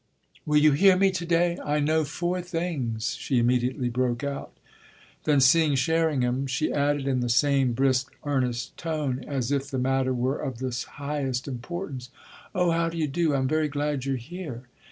"Will you hear me to day? I know four things," she immediately broke out. Then seeing Sherringham she added in the same brisk, earnest tone, as if the matter were of the highest importance: "Oh how d'ye do? I'm very glad you're here."